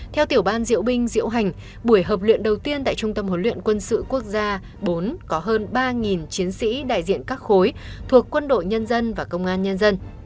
theo tiểu ban diễu binh diễu hành buổi hợp luyện đầu tiên tại trung tâm huấn luyện quân sự quốc gia bốn có hơn ba chiến sĩ đại diện các khối thuộc quân đội nhân dân và công an nhân dân